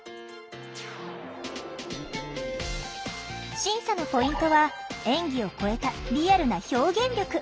審査のポイントは演技を超えたリアルな表現力。